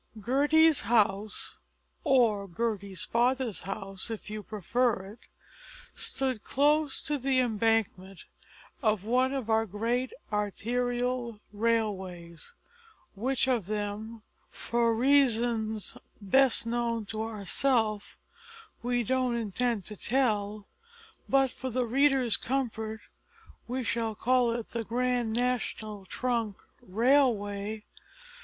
Gertie's house or Gertie's father's house, if you prefer it stood close to the embankment of one of our great arterial railways which of them, for reasons best known to ourself, we don't intend to tell, but, for the reader's comfort, we shall call it the Grand National Trunk Railway.